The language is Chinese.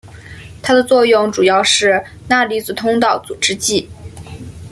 它的作用主要是钠离子通道阻滞剂。